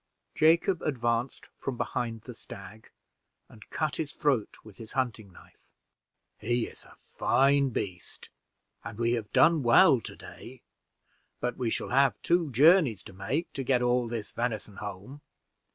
Jacob advanced from behind the stag, and cut his throat with his hunting knife. "He is a fine beast, and we have done well to day, but we shall have two journeys to make to get all this venison home.